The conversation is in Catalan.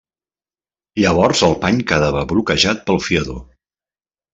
Llavors el pany quedava bloquejat pel fiador.